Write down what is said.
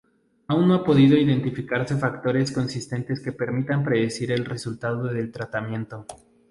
Aún no han podido identificarse factores consistentes que permitan predecir el resultado del tratamiento.